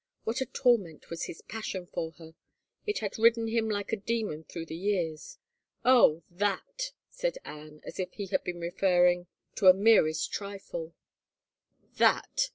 What a torment was his passion for her. It had ridden him like a demon through the years. " Oh, that!" said Anne as if he had been referring to 228 HOPE DEFERRED the merest trifle. " That